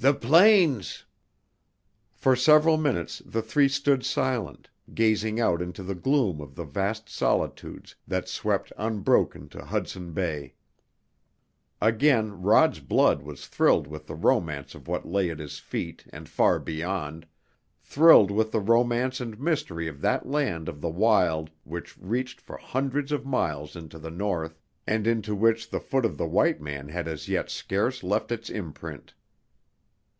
"The plains!" For several minutes the three stood silent, gazing out into the gloom of the vast solitudes that swept unbroken to Hudson Bay. Again Rod's blood was thrilled with the romance of what lay at his feet and far beyond, thrilled with the romance and mystery of that land of the wild which reached for hundreds of miles into the North, and into which the foot of the white man had as yet scarce left its imprint.